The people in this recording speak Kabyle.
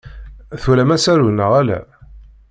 Twalam asaru neɣ ala?